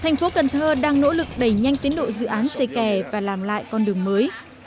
thành phố cần thơ đang nỗ lực đẩy nhanh tiến độ dự án xây kè và làm lại con đường mới